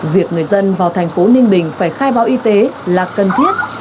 việc người dân vào tp ninh bình phải khai báo y tế là cần thiết